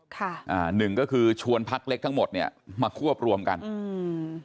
ค่ะอ่าหนึ่งก็คือชวนพักเล็กทั้งหมดเนี้ยมาควบรวมกันอืม